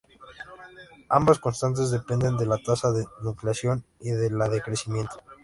Ambas constantes dependen de la tasa de nucleación y de la de crecimiento.